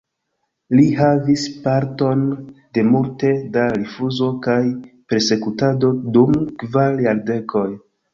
Li havis parton de multe da rifuzo kaj persekutado dum kvar jardekoj.